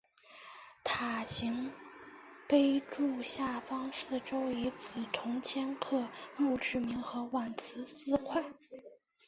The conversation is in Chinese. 塔形碑柱下方四周以紫铜嵌刻墓志铭和挽词四块。